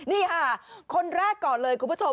นี่ค่ะคนแรกก่อนเลยคุณผู้ชม